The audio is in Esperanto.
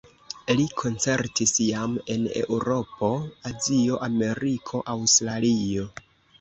Li koncertis jam en Eŭropo, Azio, Ameriko, Aŭstralio.